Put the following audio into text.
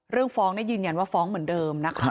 ฟ้องยืนยันว่าฟ้องเหมือนเดิมนะคะ